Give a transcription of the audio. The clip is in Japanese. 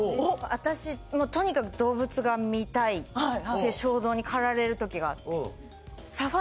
私とにかく動物が見たいって衝動に駆られる時があって。